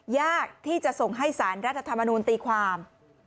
ยากที่จะส่งให้สารรัฐธรรมนูลตีความ